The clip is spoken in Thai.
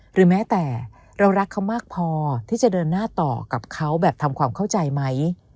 หรือแม้แต่เรารักเขามากพอที่จะเดินหน้าต่อกับเขาแบบทำความเข้าใจไหม